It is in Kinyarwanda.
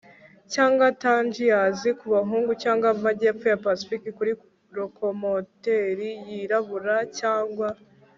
cyangwa tangiers kubahungu cyangwa amajyepfo ya pasifika kuri lokomoteri yirabura cyangwa